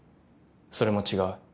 それも違う。